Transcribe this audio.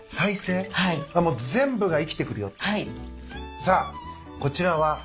さあこちらは？